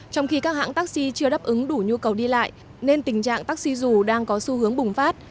trong khi các hãng taxi chưa đáp ứng đủ nhu cầu đi lại nên tình trạng taxi dù đang có xu hướng bùng phát